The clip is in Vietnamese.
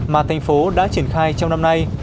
mà thành phố đã triển khai trong năm nay